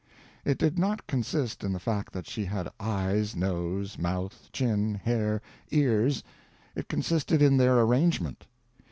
It did not consist in the fact that she had eyes, nose, mouth, chin, hair, ears, it consisted in their arrangement.